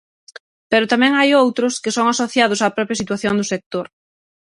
Pero tamén hai outros que son asociados á propia situación do sector.